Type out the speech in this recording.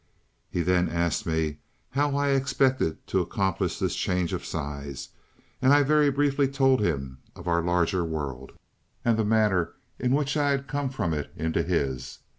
"He then asked me how I expected to accomplish this change of size, and I very briefly told him of our larger world, and the manner in which I had come from it into his.